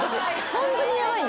ホントにヤバいんです。